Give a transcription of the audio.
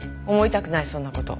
思いたくないそんな事。